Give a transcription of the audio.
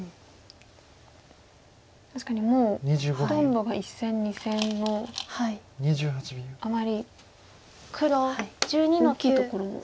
確かにもうほとんどが１線２線のあまり大きいところも。